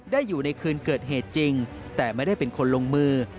อยู่ในคืนเกิดเหตุจริงแต่ไม่ได้เป็นคนลงมือ